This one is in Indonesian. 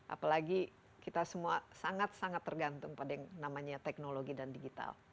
apalagi kita semua sangat sangat tergantung pada yang namanya teknologi dan digital